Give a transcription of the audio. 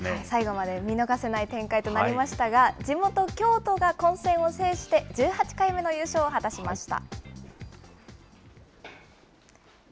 最後まで見逃せない展開となりましたが、地元、京都が混戦を制して１８回目の優勝を果たしました。